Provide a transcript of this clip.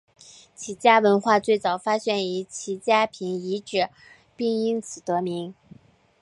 齐家文化最早发现于齐家坪遗址并因此得名。